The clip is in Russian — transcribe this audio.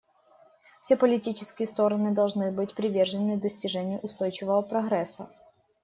Все политические стороны должны быть привержены достижению устойчивого прогресса.